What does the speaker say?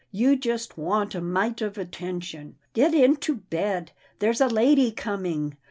You just want a mite of attention. Get into bed — there's a lady coming.